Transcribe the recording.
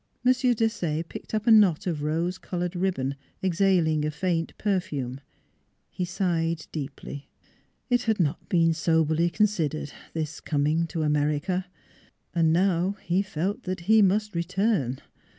Desaye picked up a knot of rose colored ribbon exhaling a faint perfume. He sighed deeply. It had not been soberly consid ered this coming to America. And now he felt that he must return.